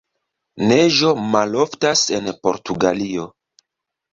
Neĝo maloftas en Portugalio.